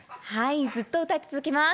ずっと歌い続けます。